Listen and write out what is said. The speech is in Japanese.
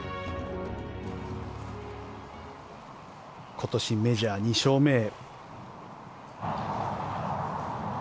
今年、メジャー２勝目へ。